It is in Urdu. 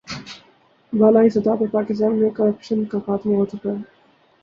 بالائی سطح پر پاکستان میں کرپشن کا خاتمہ ہو چکا ہے